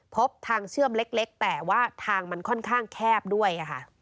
พบทางเชื่อมเล็กแต่ว่าทางมันค่อนข้างแคบด้วยค่ะ